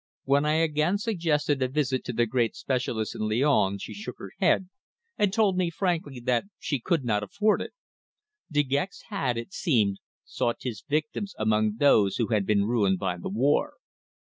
When I again suggested a visit to the great specialist in Lyons she shook her head, and told me frankly that she could not afford it. De Gex had, it seemed, sought his victims among those who had been ruined by the war.